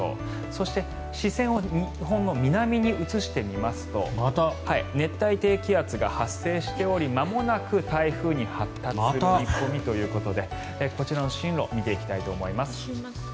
そして、視線を日本の南に移してみますと熱帯低気圧が発生しておりまもなく台風に発達する見込みということでこちらの進路を見ていきたいと思います。